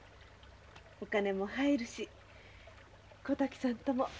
お金も入るし小滝さんとも。